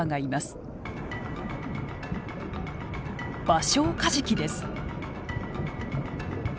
バショウカジキです。